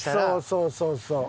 そうそうそうそう。